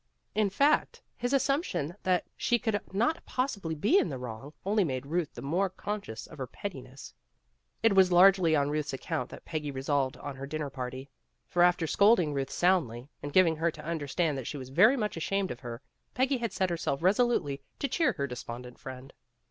In fact, his assumption that she could not possibly be in the wrong only made Ruth the more conscious of her pettiness. It was largely on Ruth's account that Peggy resolved on her dinner party. For after scold ing Ruth soundly, and giving her to under stand that she was very much ashamed of her, Peggy had set herself resolutely to cheer her 186 PEGGY GIVES A DINNER 187 despondent friend.